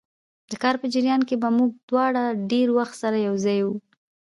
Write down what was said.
د کار په جریان کې به موږ دواړه ډېر وخت سره یو ځای وو.